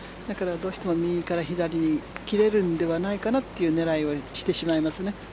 だから右から左に切れるのではないかという狙いをしてしまいますね。